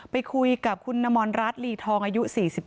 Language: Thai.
ไปคุยกับคุณนมรรัฐลีทองอายุ๔๒